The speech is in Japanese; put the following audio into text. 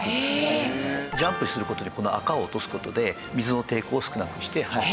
ジャンプする事でこの垢を落とす事で水の抵抗を少なくして速く。